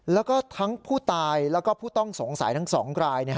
แล้วก็ทั้งผู้ตายแล้วก็ผู้ต้องสงสัยทั้ง๒ราย